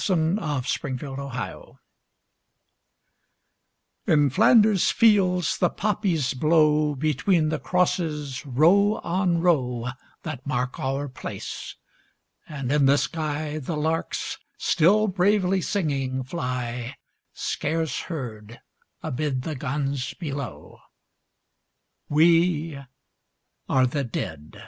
} IN FLANDERS FIELDS In Flanders fields the poppies grow Between the crosses, row on row That mark our place: and in the sky The larks still bravely singing, fly Scarce heard amid the guns below. We are the Dead.